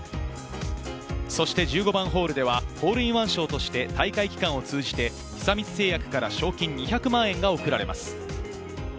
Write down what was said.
そして１５番ホールでは、ホールインワン賞として大会期間を通じて久光製薬から賞金２００万円が贈られます。